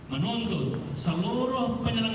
menuntut seluruh penyelenggara